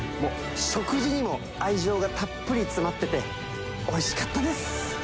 食事にも愛情がたっぷり詰まってておいしかったです！